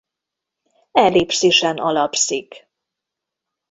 Ellipszisen alapszik.